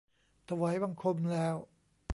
ถวายบังคมแล้ว